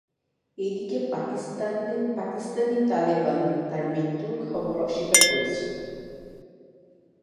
এদিকে পাকিস্তানি তালেবান তার মৃত্যুর খবর অস্বীকার করেছে।